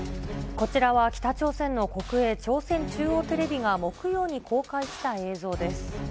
こちらは北朝鮮の国営朝鮮中央テレビが木曜に公開した映像です。